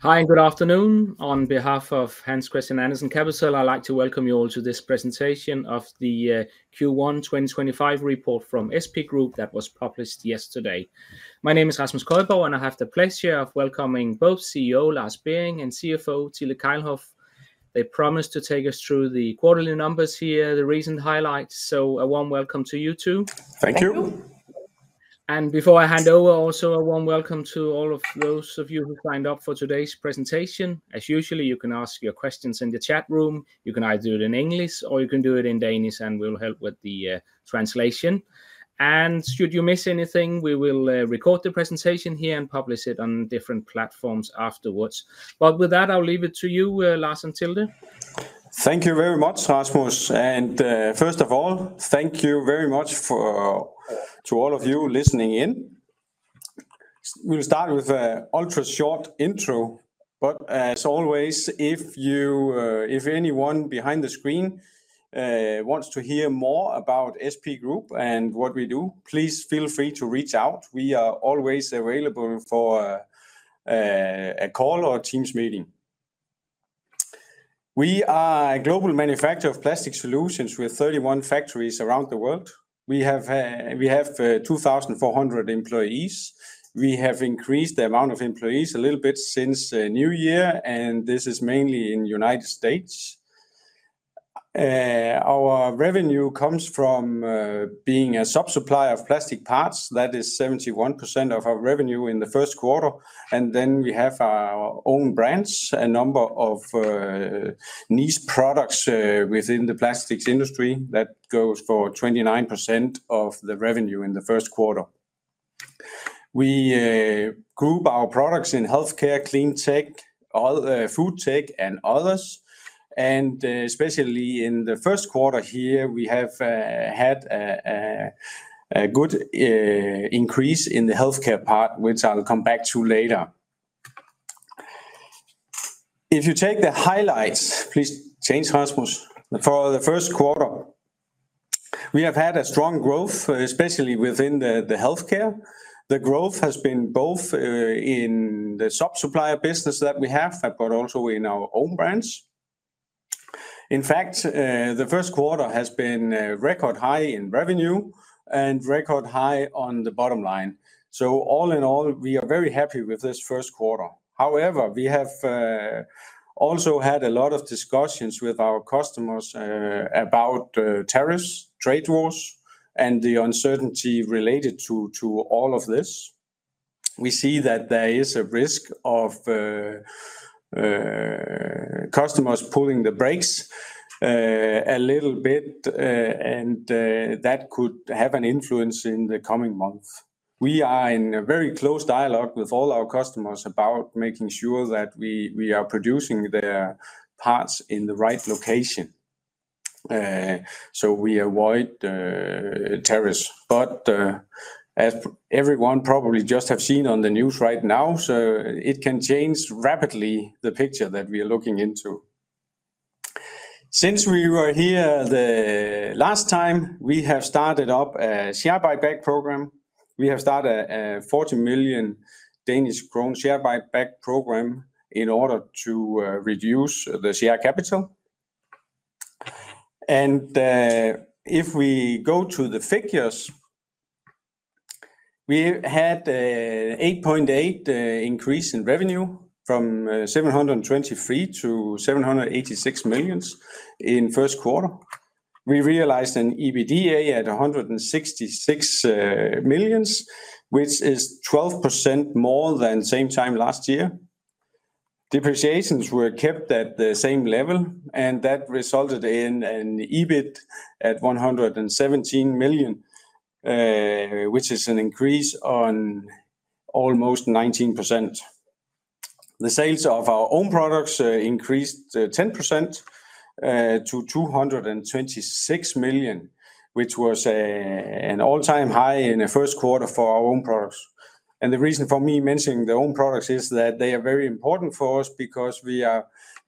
Hi, and good afternoon. On behalf of Hans Christian Andersen Capital, I'd like to welcome you all to this presentation of the Q1 2025 report from SP Group that was published yesterday. My name is Rasmus Køjborg, and I have the pleasure of welcoming both CEO Lars Bering and CFO Tilde Kejlhof. They promised to take us through the quarterly numbers here, the recent highlights, so a warm welcome to you two. Thank you. Before I hand over, also a warm welcome to all of those of you who signed up for today's presentation. As usual, you can ask your questions in the chat room. You can either do it in English, or you can do it in Danish, and we'll help with the translation. Should you miss anything, we will record the presentation here and publish it on different platforms afterwards. With that, I'll leave it to you, Lars and Tilde. Thank you very much, Rasmus. First of all, thank you very much to all of you listening in. We'll start with an ultra-short intro, but as always, if anyone behind the screen wants to hear more about SP Group and what we do, please feel free to reach out. We are always available for a call or a Teams meeting. We are a global manufacturer of plastic solutions. We have 31 factories around the world. We have 2,400 employees. We have increased the amount of employees a little bit since New Year, and this is mainly in the United States. Our revenue comes from being a sub-supplier of plastic parts. That is 71% of our revenue in the first quarter. We have our own brands, a number of niche products within the plastics industry that go for 29% of the revenue in the first quarter. We group our products in healthcare, clean tech, food tech, and others. Especially in the first quarter here, we have had a good increase in the healthcare part, which I'll come back to later. If you take the highlights, please change, Rasmus, for the first quarter, we have had a strong growth, especially within the healthcare. The growth has been both in the sub-supplier business that we have, but also in our own brands. In fact, the first quarter has been a record high in revenue and a record high on the bottom line. All in all, we are very happy with this first quarter. However, we have also had a lot of discussions with our customers about tariffs, trade wars, and the uncertainty related to all of this. We see that there is a risk of customers pulling the brakes a little bit, and that could have an influence in the coming month. We are in a very close dialogue with all our customers about making sure that we are producing their parts in the right location so we avoid tariffs. As everyone probably just has seen on the news right now, it can change rapidly the picture that we are looking into. Since we were here last time, we have started up a share buyback program. We have started a 40 million share buyback program in order to reduce the share capital. If we go to the figures, we had an 8.8% increase in revenue from 723 million to 786 million in the first quarter. We realized an EBITDA at 166 million, which is 12% more than the same time last year. Depreciations were kept at the same level, and that resulted in an EBIT at 117 million, which is an increase of almost 19%. The sales of our own products increased 10% to 226 million, which was an all-time high in the first quarter for our own products. The reason for me mentioning the own products is that they are very important for us because we are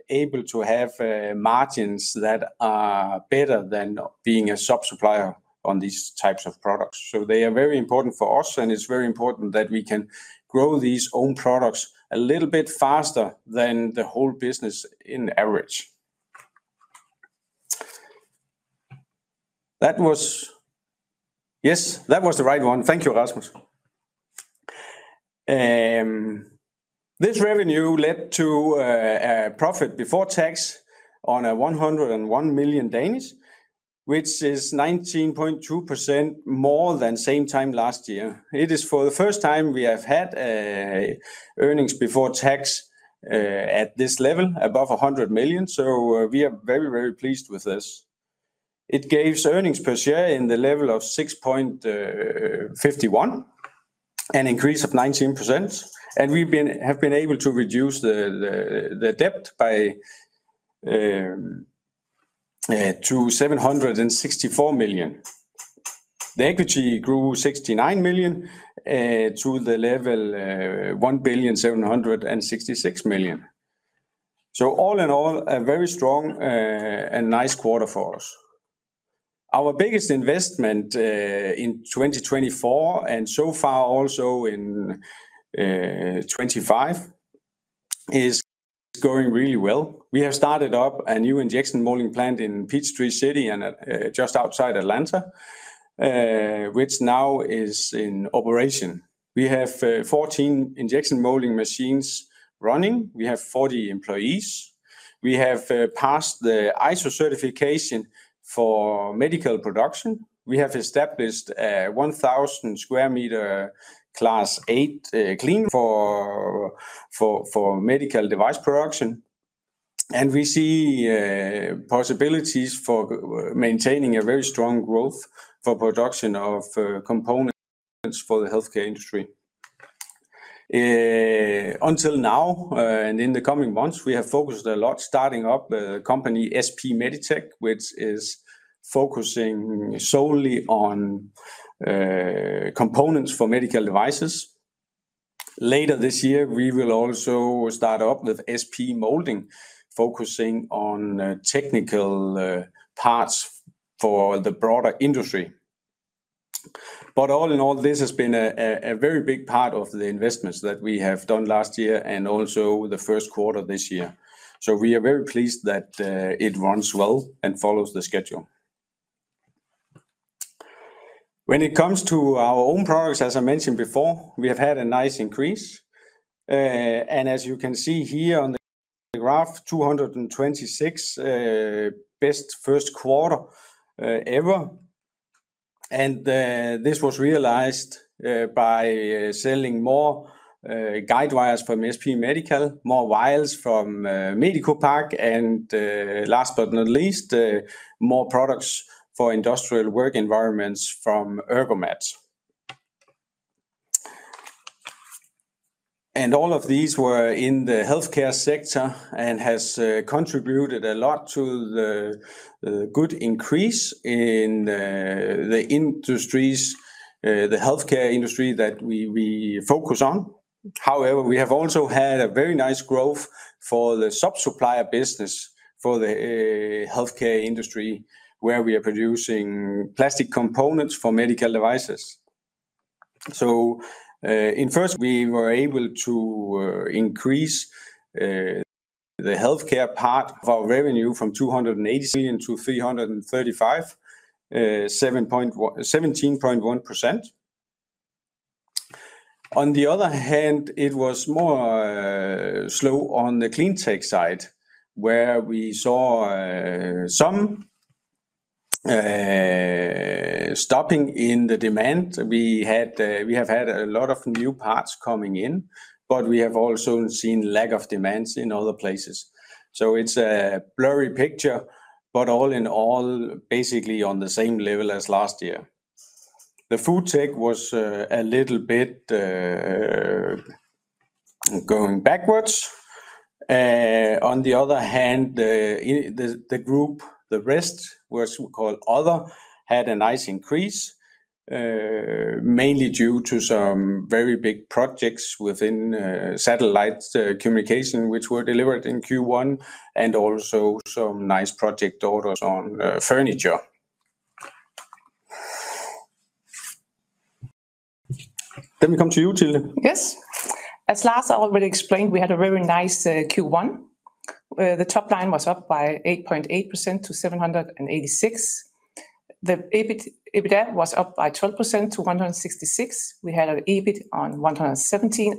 able to have margins that are better than being a sub-supplier on these types of products. They are very important for us, and it is very important that we can grow these own products a little bit faster than the whole business in average. That was, yes, that was the right one. Thank you, Rasmus. This revenue led to a profit before tax on 101 million, which is 19.2% more than the same time last year. It is for the first time we have had earnings before tax at this level, above 100 million. We are very, very pleased with this. It gives earnings per share in the level of 6.51, an increase of 19%. We have been able to reduce the debt to 764 million. The equity grew 69 million to the level of 1,766 million. All in all, a very strong and nice quarter for us. Our biggest investment in 2024, and so far also in 2025, is going really well. We have started up a new injection molding plant in Peachtree City just outside Atlanta, which now is in operation. We have 14 injection molding machines running. We have 40 employees. We have passed the ISO certification for medical production. We have established a 1,000 sq m class eight clean room for medical device production. We see possibilities for maintaining a very strong growth for production of components for the healthcare industry. Until now, and in the coming months, we have focused a lot starting up the company SP Meditec, which is focusing solely on components for medical devices. Later this year, we will also start up with SP Moulding, focusing on technical parts for the broader industry. All in all, this has been a very big part of the investments that we have done last year and also the first quarter this year. We are very pleased that it runs well and follows the schedule. When it comes to our own products, as I mentioned before, we have had a nice increase. As you can see here on the graph, 226 best first quarter ever. This was realized by selling more guide wires from SP Medical, more wires from MedicoPack, and last but not least, more products for industrial work environments from Ergomat. All of these were in the healthcare sector and have contributed a lot to the good increase in the industries, the healthcare industry that we focus on. However, we have also had a very nice growth for the sub-supplier business for the healthcare industry, where we are producing plastic components for medical devices. In the first, we were able to increase the healthcare part of our revenue from 280 million to 335 million, 17.1%. On the other hand, it was more slow on the clean tech side, where we saw some stopping in the demand. We have had a lot of new parts coming in, but we have also seen a lack of demand in other places. It's a blurry picture, but all in all, basically on the same level as last year. The food tech was a little bit going backwards. On the other hand, the group, the rest was called other, had a nice increase, mainly due to some very big projects within satellite communication, which were delivered in Q1, and also some nice project orders on furniture. We come to you, Tilde. Yes. As Lars already explained, we had a very nice Q1. The top line was up by 8.8% to 786 million. The EBITDA was up by 12% to 166 million. We had an EBIT on 117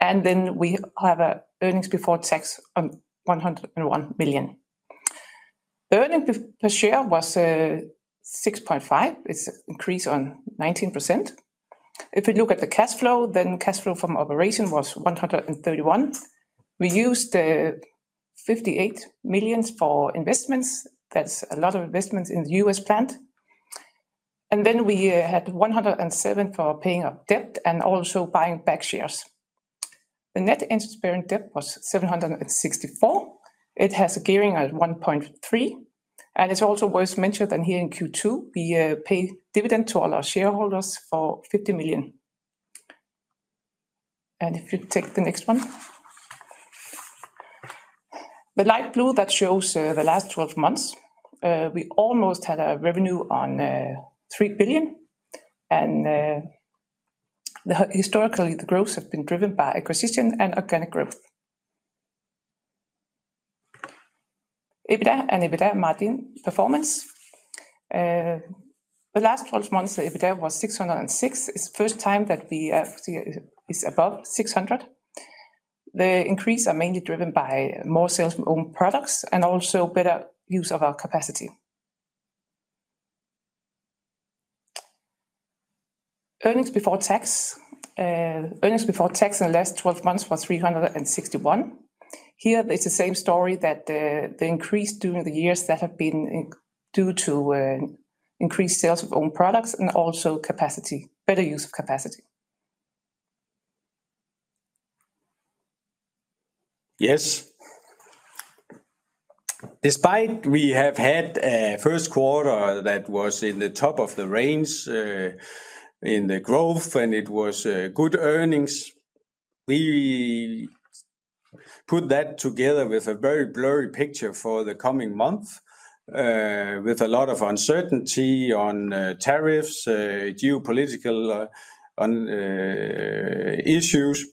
million. We have an earnings before tax on 101 million. Earnings per share was 6.5. It's an increase of 19%. If we look at the cash flow, then cash flow from operation was 131 million. We used 58 million for investments. That's a lot of investments in the U.S. plant. We had 107 million for paying off debt and also buying back shares. The net inspiring debt was 764 million. It has a gearing at 1.3. It's also worth mentioning that here in Q2, we paid dividend to all our shareholders for 50 million. If you take the next one, the light blue that shows the last 12 months, we almost had a revenue on 3 billion. Historically, the growth has been driven by acquisition and organic growth. EBITDA and EBITDA margin performance. The last 12 months, the EBITDA was 606 million. It is the first time that we see it is above 600 million. The increase is mainly driven by more sales from own products and also better use of our capacity. Earnings before tax. Earnings before tax in the last 12 months were 361 million. Here, it is the same story that the increase during the years has been due to increased sales of own products and also better use of capacity. Yes. Despite we have had a first quarter that was in the top of the range in the growth, and it was good earnings, we put that together with a very blurry picture for the coming month with a lot of uncertainty on tariffs, geopolitical issues.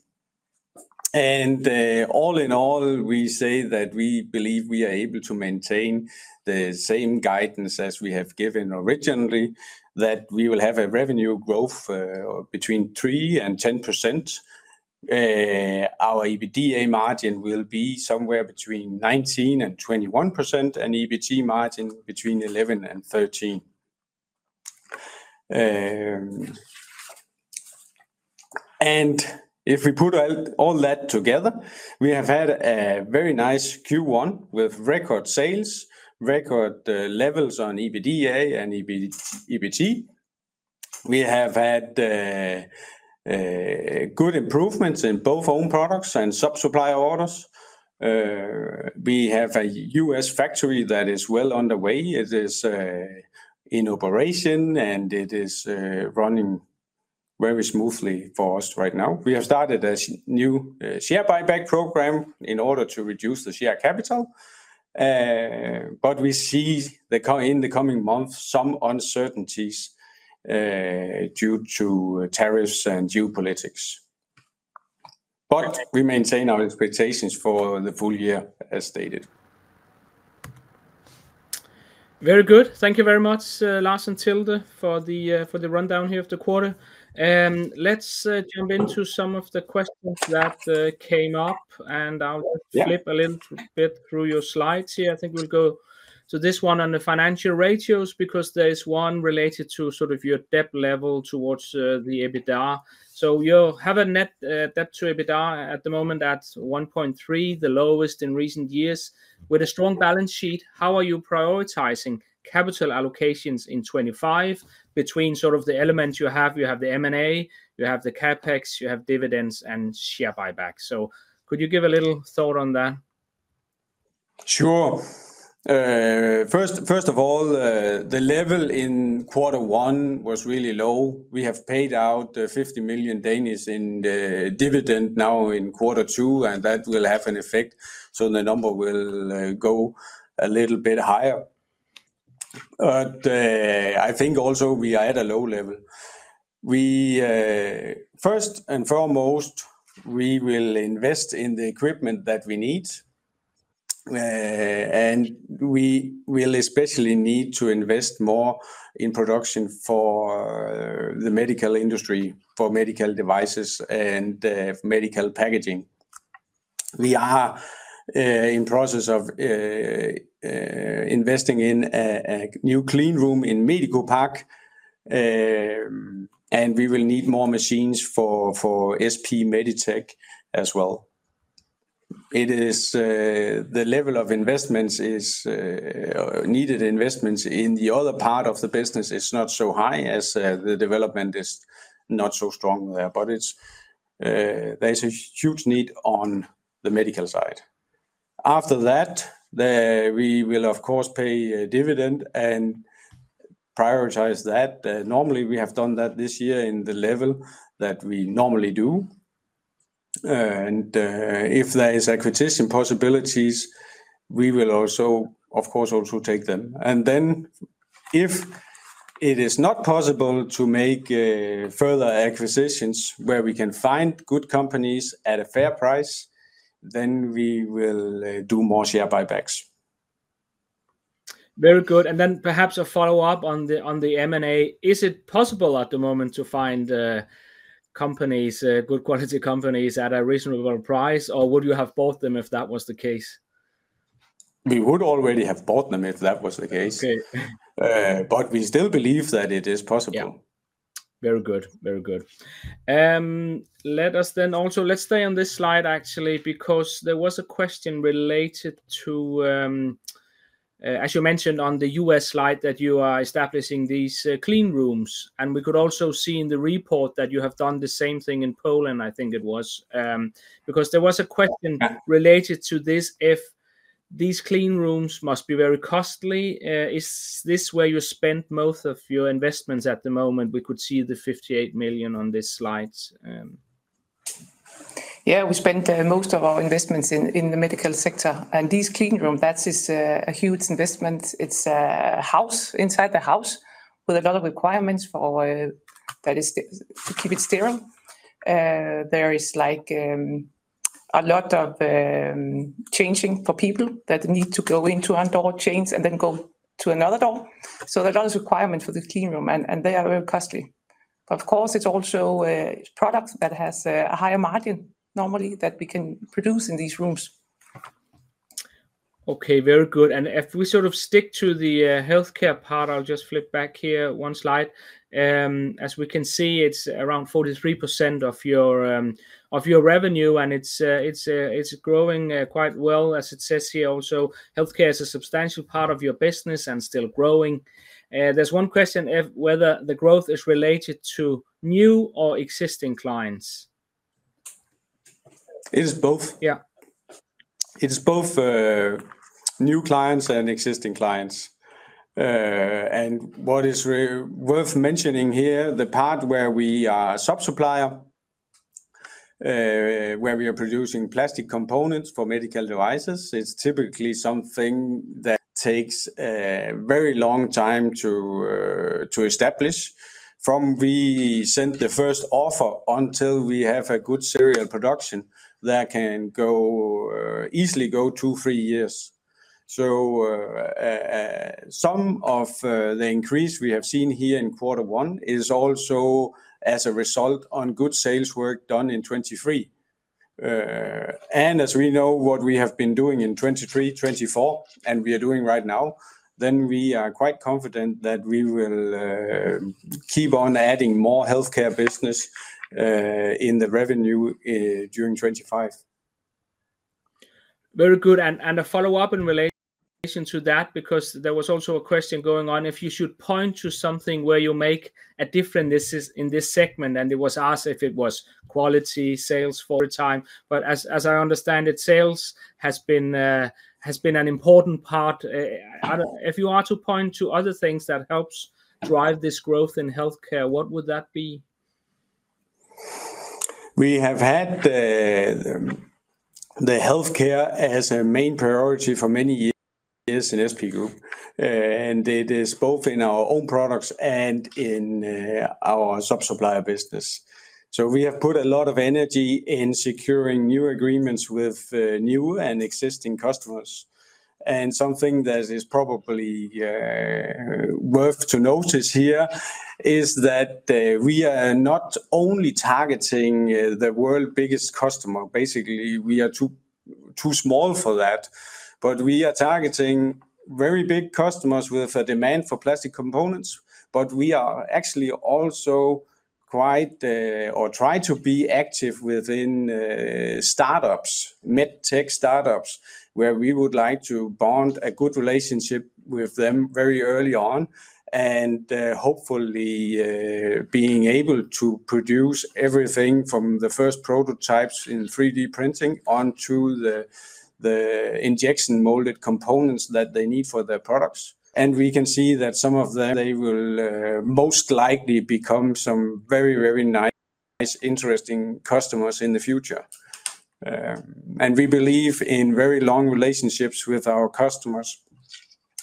All in all, we say that we believe we are able to maintain the same guidance as we have given originally, that we will have a revenue growth between 3% and 10%. Our EBITDA margin will be somewhere between 19% and 21%, and EBIT margin between 11% and 13%. If we put all that together, we have had a very nice Q1 with record sales, record levels on EBITDA and EBIT. We have had good improvements in both own products and sub-supplier orders. We have a U.S. factory that is well underway. It is in operation, and it is running very smoothly for us right now. We have started a new share buyback program in order to reduce the share capital. We see in the coming months some uncertainties due to tariffs and geopolitics. We maintain our expectations for the full year, as stated. Very good. Thank you very much, Lars and Tilde, for the rundown here of the quarter. Let's jump into some of the questions that came up, and I'll flip a little bit through your slides here. I think we'll go to this one on the financial ratios because there is one related to sort of your debt level towards the EBITDA. So you have a net debt to EBITDA at the moment at 1.3, the lowest in recent years. With a strong balance sheet, how are you prioritizing capital allocations in 2025 between sort of the elements you have? You have the M&A, you have the CapEx, you have dividends, and share buyback. Could you give a little thought on that? Sure. First of all, the level in quarter one was really low. We have paid out 50 million in dividend now in quarter two, and that will have an effect. The number will go a little bit higher. I think also we are at a low level. First and foremost, we will invest in the equipment that we need. We will especially need to invest more in production for the medical industry, for medical devices and medical packaging. We are in the process of investing in a new clean room in MedicoPack, and we will need more machines for SP Meditec as well. The level of investments is needed. Investments in the other part of the business is not so high as the development is not so strong there, but there is a huge need on the medical side. After that, we will, of course, pay dividend and prioritize that. Normally, we have done that this year in the level that we normally do. If there are acquisition possibilities, we will also, of course, also take them. If it is not possible to make further acquisitions where we can find good companies at a fair price, we will do more share buybacks. Very good. Perhaps a follow-up on the M&A. Is it possible at the moment to find companies, good quality companies at a reasonable price, or would you have bought them if that was the case? We would already have bought them if that was the case. We still believe that it is possible. Very good. Very good. Let us then also, let's stay on this slide actually, because there was a question related to, as you mentioned on the U.S. slide, that you are establishing these clean rooms. And we could also see in the report that you have done the same thing in Poland, I think it was, because there was a question related to this. If these clean rooms must be very costly, is this where you spend most of your investments at the moment? We could see the 58 million on this slide. Yeah, we spend most of our investments in the medical sector. These clean rooms, that is a huge investment. It's a house inside the house with a lot of requirements for that is to keep it sterile. There is like a lot of changing for people that need to go into one door, change, and then go to another door. There are a lot of requirements for the clean room, and they are very costly. Of course, it's also a product that has a higher margin normally that we can produce in these rooms. Okay, very good. If we sort of stick to the healthcare part, I'll just flip back here one slide. As we can see, it's around 43% of your revenue, and it's growing quite well, as it says here also. Healthcare is a substantial part of your business and still growing. There's one question whether the growth is related to new or existing clients. It is both. Yeah. It's both new clients and existing clients. What is worth mentioning here, the part where we are a sub-supplier, where we are producing plastic components for medical devices, it's typically something that takes a very long time to establish. From we sent the first offer until we have a good serial production, that can easily go two-three years. Some of the increase we have seen here in quarter one is also as a result of good sales work done in 2023. As we know what we have been doing in 2023, 2024, and we are doing right now, we are quite confident that we will keep on adding more healthcare business in the revenue during 2025. Very good. A follow-up in relation to that, because there was also a question going on if you should point to something where you make a difference in this segment. It was asked if it was quality sales time. As I understand it, sales has been an important part. If you are to point to other things that help drive this growth in healthcare, what would that be? We have had the healthcare as a main priority for many years in SP Group. It is both in our own products and in our sub-supplier business. We have put a lot of energy in securing new agreements with new and existing customers. Something that is probably worth to notice here is that we are not only targeting the world's biggest customer. Basically, we are too small for that. We are targeting very big customers with a demand for plastic components. We are actually also quite or try to be active within startups, med tech startups, where we would like to bond a good relationship with them very early on, and hopefully being able to produce everything from the first prototypes in 3D printing onto the injection molded components that they need for their products. We can see that some of them, they will most likely become some very, very nice, interesting customers in the future. We believe in very long relationships with our customers.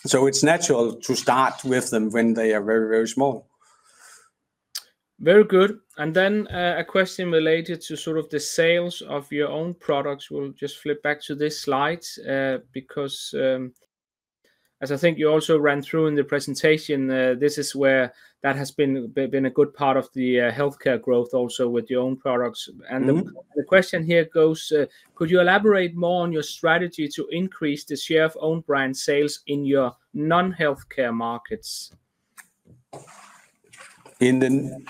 It is natural to start with them when they are very, very small. Very good. A question related to sort of the sales of your own products. We'll just flip back to this slide because as I think you also ran through in the presentation, this is where that has been a good part of the healthcare growth also with your own products. The question here goes, could you elaborate more on your strategy to increase the share of own brand sales in your non-healthcare markets? In the.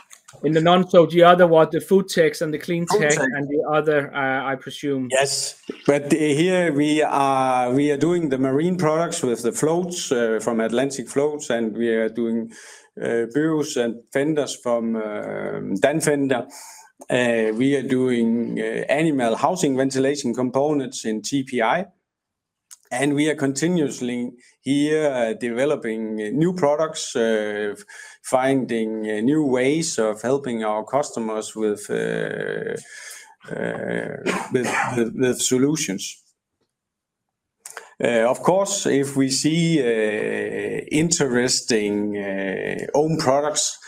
In the non-healthcare. The other one, the food techs and the clean tech and the other, I presume. Yes. Here we are doing the marine products with the floats from Atlantic Floats, and we are doing buoys and fenders from Dan-Fender. We are doing animal housing ventilation components in TPI. We are continuously here developing new products, finding new ways of helping our customers with solutions. Of course, if we see interesting own products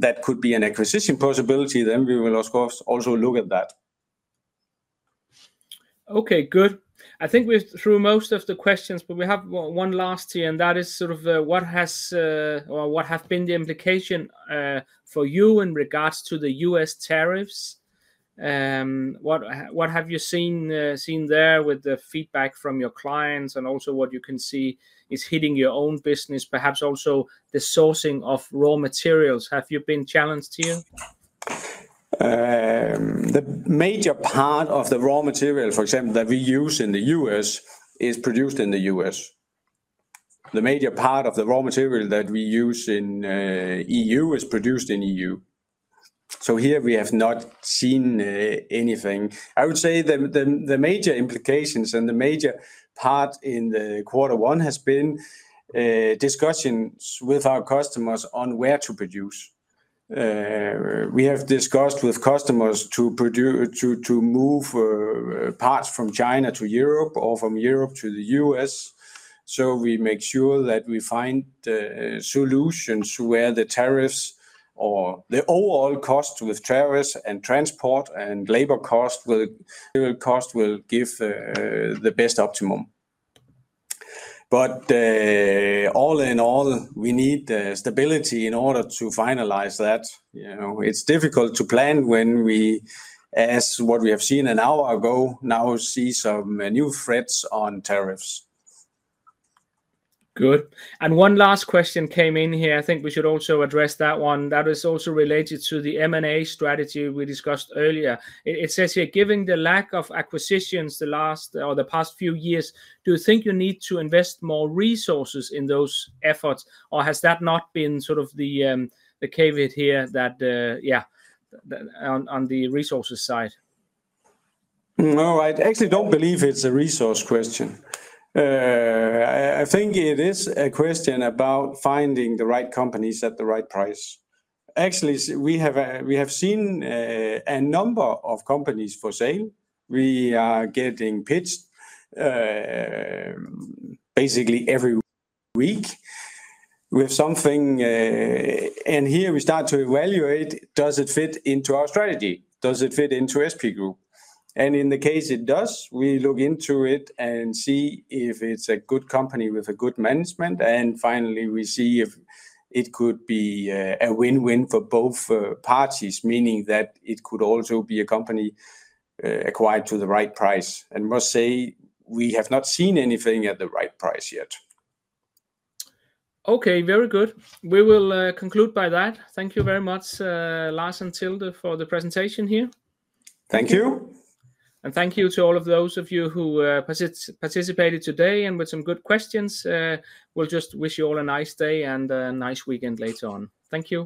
that could be an acquisition possibility, then we will, of course, also look at that. Okay, good. I think we've through most of the questions, but we have one last here, and that is sort of what has or what have been the implication for you in regards to the U.S. tariffs? What have you seen there with the feedback from your clients and also what you can see is hitting your own business, perhaps also the sourcing of raw materials? Have you been challenged here? The major part of the raw material, for example, that we use in the U.S. is produced in the U.S. The major part of the raw material that we use in the E.U. is produced in the E.U. Here we have not seen anything. I would say the major implications and the major part in quarter one has been discussions with our customers on where to produce. We have discussed with customers to move parts from China to Europe or from Europe to the U.S. We make sure that we find solutions where the tariffs or the overall cost with tariffs and transport and labor cost, material cost, will give the best optimum. All in all, we need stability in order to finalize that. It's difficult to plan when we, as what we have seen an hour ago, now see some new threats on tariffs. Good. One last question came in here. I think we should also address that one. That is also related to the M&A strategy we discussed earlier. It says here, given the lack of acquisitions the past few years, do you think you need to invest more resources in those efforts, or has that not been sort of the caveat here that, yeah, on the resources side? No, I actually do not believe it is a resource question. I think it is a question about finding the right companies at the right price. Actually, we have seen a number of companies for sale. We are getting pitched basically every week with something. Here we start to evaluate, does it fit into our strategy? Does it fit into SP Group? In the case it does, we look into it and see if it is a good company with good management. Finally, we see if it could be a win-win for both parties, meaning that it could also be a company acquired at the right price. I must say we have not seen anything at the right price yet. Okay, very good. We will conclude by that. Thank you very much, Lars and Tilde, for the presentation here. Thank you. Thank you to all of those of you who participated today and with some good questions. We just wish you all a nice day and a nice weekend later on. Thank you.